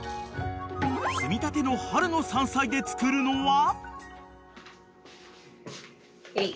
［摘みたての春の山菜で作るのは？］